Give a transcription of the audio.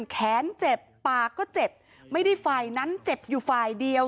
แขนเจ็บปากก็เจ็บไม่ได้ฝ่ายนั้นเจ็บอยู่ฝ่ายเดียว